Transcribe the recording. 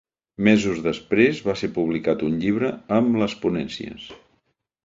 Mesos després va ser publicat un llibre amb les ponències.